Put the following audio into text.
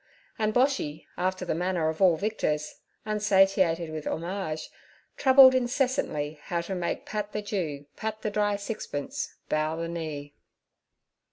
And Boshy, after the manner of all victors, unsatiated with homage, troubled incessantly how to make Pat the Jew, Pat the Dry Sixpence, bow the knee.